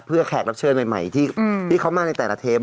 เพื่อแขกรับเชิญใหม่ที่เขามาในแต่ละเทป